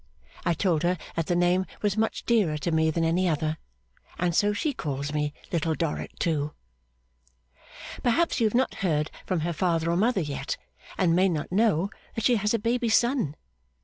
I told her that the name was much dearer to me than any other, and so she calls me Little Dorrit too. Perhaps you have not heard from her father or mother yet, and may not know that she has a baby son.